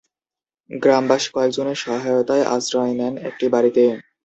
গ্রামবাসী কয়েকজনের সহায়তায় আশ্রয় নেন একটি বাড়িতে।